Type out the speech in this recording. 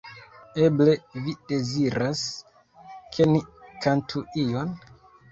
Eble vi deziras, ke ni kantu ion?